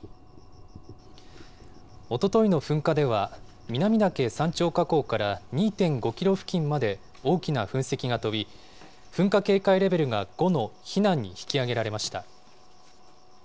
おとといの噴火では、南岳山頂火口から２．５キロ付近まで大きな噴石が飛び、噴火警戒レベルが５の避難に引き上げられました。